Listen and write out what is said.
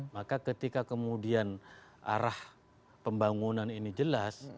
maka ketika kemudian arah pembangunan ini jelas